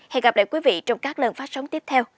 hẹn gặp lại quý vị trong các lần phát sóng tiếp theo